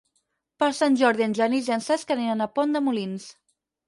Per Sant Jordi en Genís i en Cesc aniran a Pont de Molins.